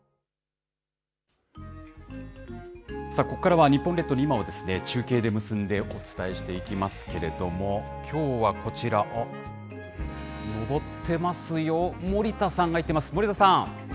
ここからは、日本列島の今を中継で結んでお伝えしていきますけれども、きょうはこちら、登ってますよ、森田さんが行ってますよ、森田さん。